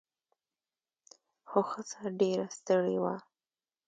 خو ښځه ډیره ستړې وه.